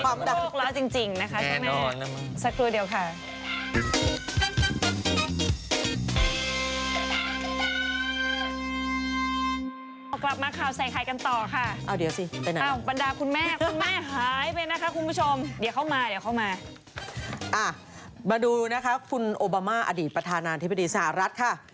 เอามาดูนะคะคุณโอบามาอดีตประธานาธิบดีสหรัฐค่ะ